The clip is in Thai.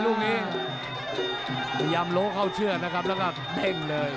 ลูกนี้พยายามโลเข้าเชือกนะครับแล้วก็เด้งเลย